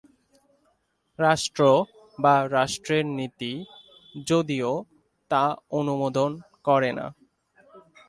রাষ্ট্র বা রাষ্ট্রের নীতি যদিও তা অনুমোদন করেনা।